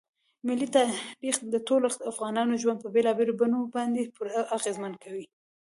ملي تاریخ د ټولو افغانانو ژوند په بېلابېلو بڼو باندې پوره اغېزمن کړی دی.